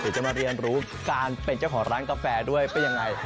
จะมาเรียนรู้การเป็นเจ้าของร้านกาแฟด้วยเป็นยังไง